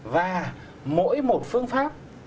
và mỗi một phương pháp